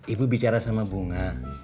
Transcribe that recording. ibu bicara sama bunga